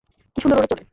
কি সুন্দর উড়ে চলে!